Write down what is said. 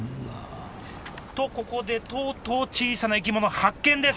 とここでとうとう小さな生き物発見です！